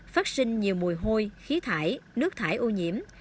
phát sinh nhiều mùi hôi khí thải nước thải ô nhiễm